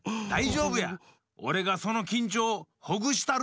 おれがそのきんちょうほぐしたる！